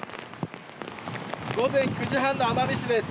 午前９時半の奄美市です。